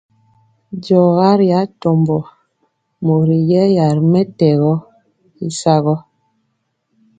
Diɔga ri atombo mori yɛya ri mɛtɛgɔ y sagɔ.